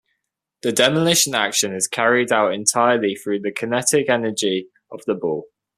The demolition action is carried out entirely through the kinetic energy of the ball.